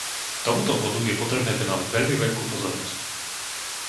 Tomuto bodu je potrebné venovať veľmi veľkú pozornosť.